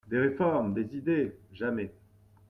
Des réformes… des idées… jamais…